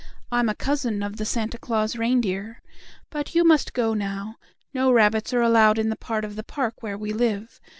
I'm a cousin of the Santa Claus reindeer. But you must go now. No rabbits are allowed in the part of the park where we live.